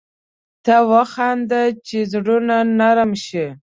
ته وخانده چي زړونه نرم شي